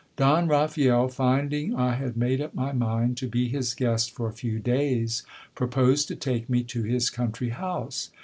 Don Raphael, finding I had made up my mind to be his guest for a few days, proposed to take me to his country house.